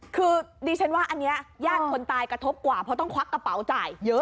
คือดิฉันว่าอันนี้ญาติคนตายกระทบกว่าเพราะต้องควักกระเป๋าจ่ายเยอะ